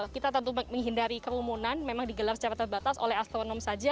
kita tentu menghindari kerumunan memang digelar secara terbatas oleh astronom saja